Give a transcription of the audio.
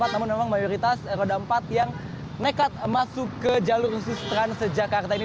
namun memang mayoritas roda empat yang nekat masuk ke jalur khusus transjakarta ini